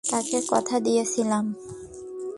তাকে কথা দিয়েছিলাম।